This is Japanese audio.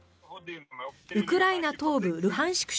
ウクライナ東部ルハンシク